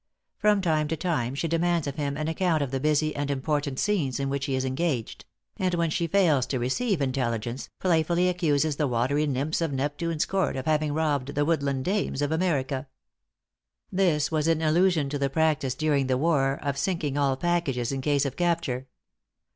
From time to time she demands of him an account of the busy and important scenes in which he is engaged; and when she fails to receive intelligence, playfully accuses the watery nymphs of Neptune's court of having robbed the woodland dames of America. This was in allusion to the practice during the war, of sinking all packages in case of capture.